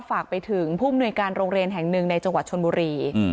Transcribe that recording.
ฝากไปถึงผู้มนุยการโรงเรียนแห่งหนึ่งในจังหวัดชนบุรี